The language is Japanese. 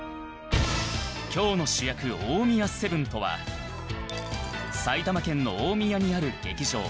今日の主役大宮セブンとは埼玉県の大宮にある劇場